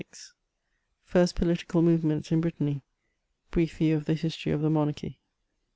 FIRST POLITICAL MOVBMENTS IN BRITTANT ^BRISF VIEW OF THE HI8 TOST OF THE MONARCHY.